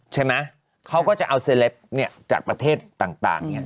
ใช่ไหมเขาก็จะเอาเนี้ยจากประเทศต่างต่างเนี้ย